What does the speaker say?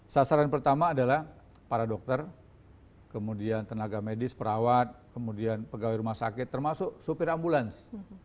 sasaran pertama adalah para dokter kemudian tenaga medis perawat kemudian pegawai rumah sakit termasuk supir ambulans